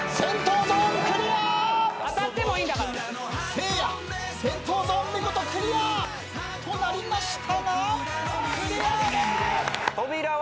せいや銭湯ゾーン見事クリア！となりましたが。